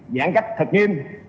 giãn cách thật nghiêm